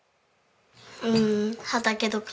ん畑とか。